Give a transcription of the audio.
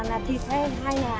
không phải là thịt hay là nông bò